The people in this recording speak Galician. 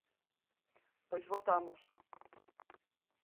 Pois votamos.